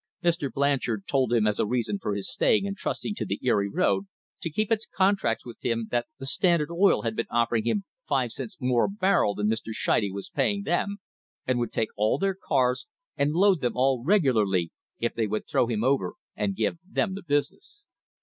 Mr. Blanchard told him as a reason for his staying and trusting to the Erie road to keep its contracts with him that the Standard Oil Company had been offering him five cents more a barrel than Mr. Scheide was paying them, and would take all their cars, and load them | all regularly if they would throw him over and give them ;— the business.